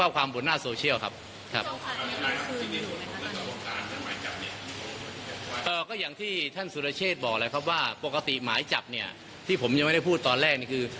ก็อย่างที่ท่านสุรเชษฐ์บอกแล้วครับว่าปกติหมายจับเนี่ยที่ผมยังไม่ได้พูดตอนแรกนี่คือ